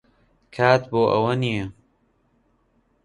کات بۆ ئەوە نییە.